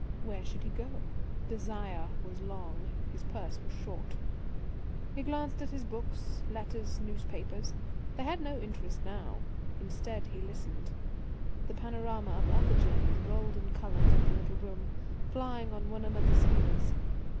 Where should he go? Desire was long; his purse was short. He glanced at his books, letters, newspapers. They had no interest now. Instead he listened. The panorama of other journeys rolled in colour through the little room, flying on one another's heels.